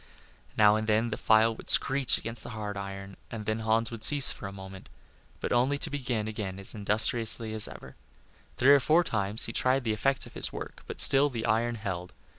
Now and then the file screeched against the hard iron, and then Hans would cease for a moment, but only to begin again as industriously as ever. Three or four times he tried the effects of his work, but still the iron held.